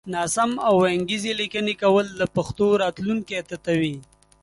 ناسم او وينگيزې ليکنې کول د پښتو راتلونکی تتوي